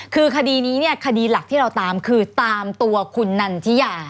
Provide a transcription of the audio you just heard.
คือคดีนี้เนี่ยคดีหลักที่เราตามคือตามตัวคุณนันทิยา